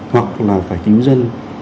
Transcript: hoặc là phải cứu dân